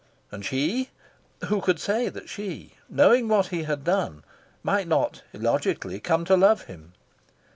And she who could say that she, knowing what he had done, might not, illogically, come to love him?